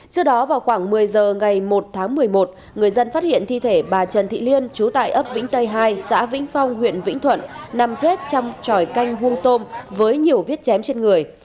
trước đó vào khoảng một mươi giờ ngày một tháng một mươi một người dân phát hiện thi thể bà trần thị liên trú tại ấp vĩnh tây hai xã vĩnh phong huyện vĩnh thuận nằm chết trong tròi canh vuông tôm với nhiều vết chém trên người